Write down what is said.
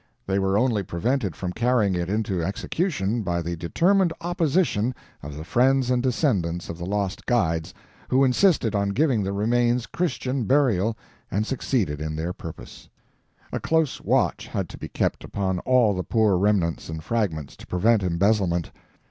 They were only prevented from carrying it into execution by the determined opposition of the friends and descendants of the lost guides, who insisted on giving the remains Christian burial, and succeeded in their purpose. A close watch had to be kept upon all the poor remnants and fragments, to prevent embezzlement.